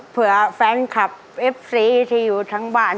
แฟนคลับเอฟซีที่อยู่ทั้งบ้าน